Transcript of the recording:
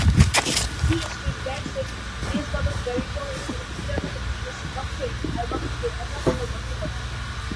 E Street bandmate, বেসবাদক Garry Tallent এবং গিটারবাদক নিলস লফগ্রেন অ্যালবামটিতে ব্যাকআপ সরবরাহ করেন।